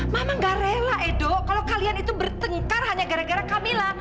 mama gak rela edo kalau kalian itu bertengkar hanya gara gara kami lah